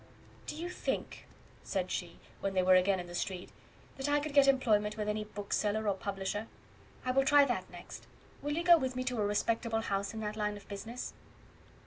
"Do you think," said she, when they were again in the street, "that I could get employment with any bookseller or publisher? I will try that next. Will you go with me to a respectable house in that line of business?"